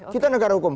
kita negara hukum